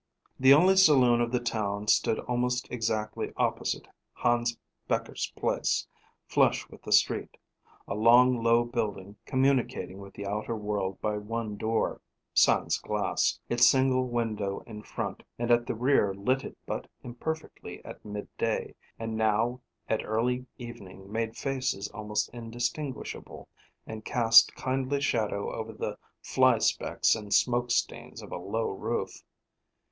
The only saloon of the town stood almost exactly opposite Hans Becher's place, flush with the street. A long, low building, communicating with the outer world by one door sans glass its single window in front and at the rear lit it but imperfectly at midday, and now at early evening made faces almost indistinguishable, and cast kindly shadow over the fly specks and smoke stains of a low roof.